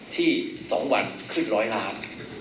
ที่๒วันขึ้น๑๐๐ล้าน